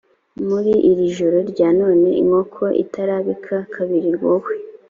muri iri joro rya none inkoko itarabika kabiri wowe